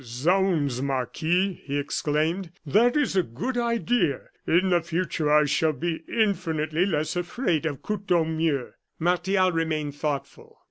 "Zounds, Marquis!" he exclaimed; "that is a good idea! In the future I shall be infinitely less afraid of Courtornieu." Martial remained thoughtful.